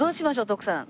徳さん。